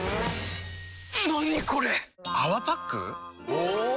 お！